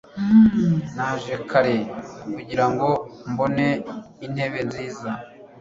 Naje kare kugirango mbone intebe nziza